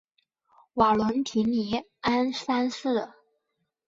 瓦伦提尼安三世。